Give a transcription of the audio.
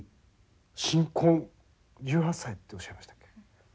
新婚１８歳っておっしゃいましたっけ？